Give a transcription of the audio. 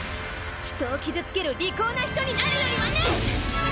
人を傷つける利口な人になるよりはね！